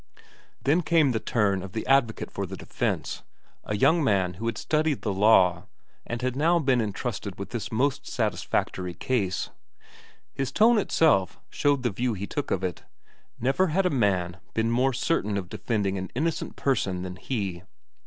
Then came the turn of the advocate for the defence, a young man who had studied the law, and had now been entrusted with this most satisfactory case. His tone itself showed the view he took of it; never had a man been more certain of defending an innocent person than he.